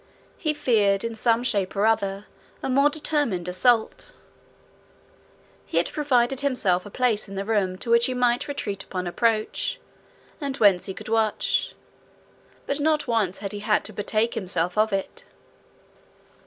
He feared, in some shape or other, a more determined assault. He had provided himself a place in the room, to which he might retreat upon approach, and whence he could watch; but not once had he had to betake himself to it.